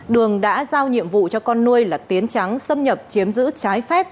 đường đã giao nhiệm vụ cho con nuôi là tiến trắng xâm nhập chiếm giữ trái phép